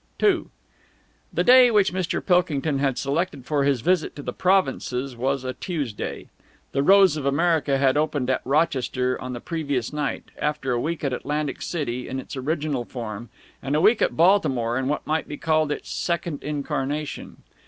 II The day which Mr. Pilkington had selected for his visit to the provinces was a Tuesday. "The Rose of America" had opened at Rochester on the previous night, after a week at Atlantic City in its original form and a week at Baltimore in what might be called its second incarnation.